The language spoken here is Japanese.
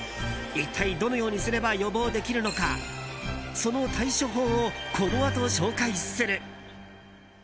一体どのようにすれば予防できるのかその対処法をこのあと紹介する。